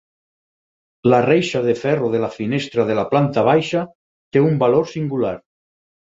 La reixa de ferro de la finestra de la planta baixa té un valor singular.